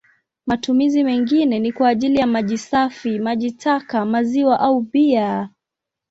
Matumizi mengine ni kwa ajili ya maji safi, maji taka, maziwa au bia.